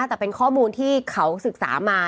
แต่เป็นข้อมูลที่เขาศึกษามา